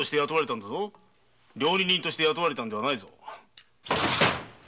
料理人として雇われたんじゃないぞ。